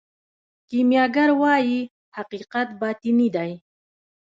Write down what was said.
کیمیاګر وايي حقیقت باطني دی.